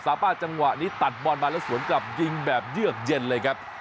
ป้าจังหวะนี้ตัดบอลมาแล้วสวนกลับยิงแบบเยือกเย็นเลยครับ